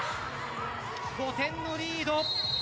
５点のリード。